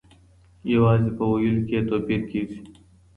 یوازې په ویلو کي یې توپیر کیږي.